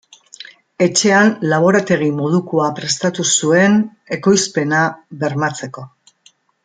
Etxean laborategi modukoa prestatu zuen ekoizpena bermatzeko.